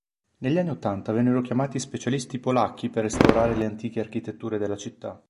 Negli anni ottanta vennero chiamati specialisti polacchi per restaurare le antiche architetture della città.